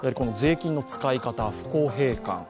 税金の使い方、不公平感